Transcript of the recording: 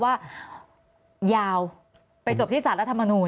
ว่ายาวไปจบที่สารรัฐมนูล